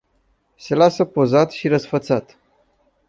Se lasă pozat și răsfățat.